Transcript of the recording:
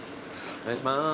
お願いします。